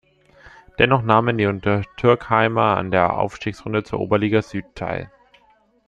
Dennoch nahmen die Untertürkheimer an der Aufstiegsrunde zur Oberliga Süd teil.